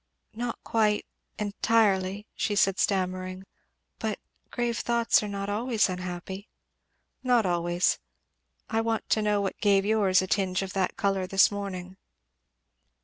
"Not quite entirely " she said stammering. "But grave thoughts are not always unhappy." "Not always. I want to know what gave yours a tinge of that colour this morning."